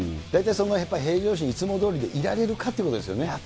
大体その平常心、いつもどおりでいられるかということですよね。